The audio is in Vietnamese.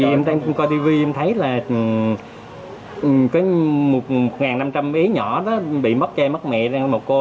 em đang coi tv em thấy là một năm trăm linh mấy nhỏ bị mất cây mất mẹ mất cô